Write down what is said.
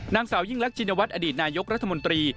นางสาวยิ่งรักชินวัฒน์อดีตนายกรัฐมนตรี